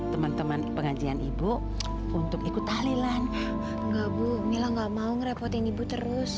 teman teman pengajian ibu untuk ikut tahlilan ke bu mila gak mau ngerepotin ibu terus